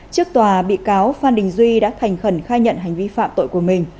trước tòa bị cáo phan đình duy đã thành khẩn khai nhận hành vi phạm tội của mình